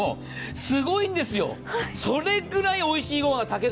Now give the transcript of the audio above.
すごいんですよ、それぐらいおいしい御飯が炊ける。